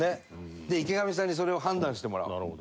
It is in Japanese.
で池上さんにそれを判断してもらう。